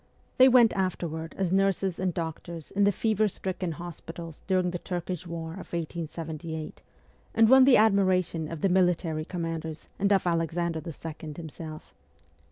They went afterward as nurses and doctors in the fever stricken hospitals during the Turkish war of 1878, and won the admiration of the military commanders and of Alexander II. himself.